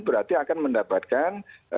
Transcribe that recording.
berarti akan mendapatkan